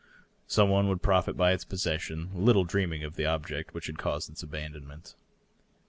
Some one would profit by its possession, little dreaming of the object which had caused its abandonment.